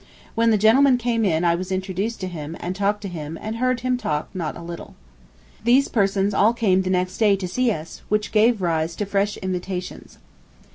When the gentlemen came in I was introduced to him and talked to him and heard him talk not a little. These persons all came the next day to see us, which gave rise to fresh invitations.